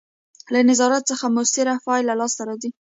له نظارت څخه مؤثره پایله لاسته راځي.